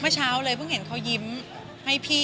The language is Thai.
เช้าเลยเพิ่งเห็นเขายิ้มให้พี่